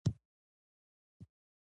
په دې کې څلور سوه میلیونه ثابته پانګه ده